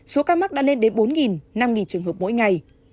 số ca mắc đã lên đến bốn năm trường hợp mỗi ngày